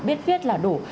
biết viết là đủ